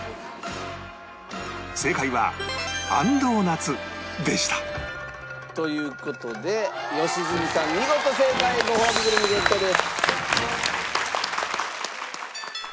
正解はあんドーナツでしたという事で良純さん見事正解！ごほうびグルメゲットです。